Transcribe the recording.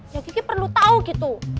ya ki ki perlu tau gitu